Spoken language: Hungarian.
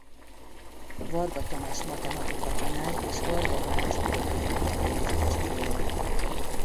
Varga Tamás matematikatanár és Vargha Balázs irodalomtörténész testvére.